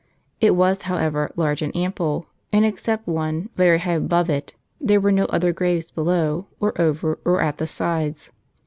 It was, however, large and ample ; and except one, very high above it, there were no other graves below, or over, or at the sides.